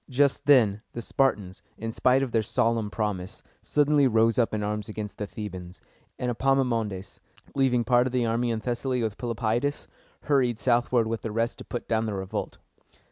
Just then the Spartans, in spite of their solemn promise, suddenly rose up in arms against the Thebans; and Epaminondas, leaving part of the army in Thessaly with Pelopidas, hurried southward with the rest to put down the revolt.